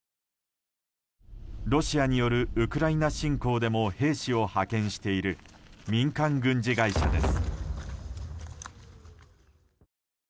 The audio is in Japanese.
ロシアによるウクライナ侵攻でも兵士を派遣している民間軍事会社です。